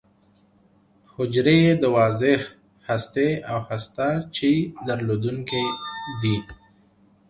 حجرې یې د واضح هستې او هسته چي درلودونکې دي.